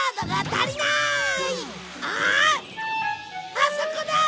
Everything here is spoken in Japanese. あそこだ！